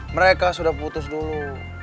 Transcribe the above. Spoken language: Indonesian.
mereka sudah putus dulu